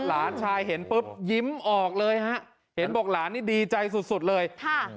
หลานชายเห็นปุ๊บยิ้มออกเลยฮะเห็นบอกหลานนี่ดีใจสุดสุดเลยค่ะ